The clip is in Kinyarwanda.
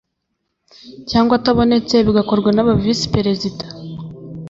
cyangwa atabonetse bigakorwa naba visiperezida